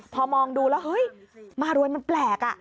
พอมองดูแล้วเฮ้ยมารวยมันแปลก